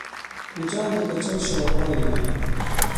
مچان د کچن شاوخوا وي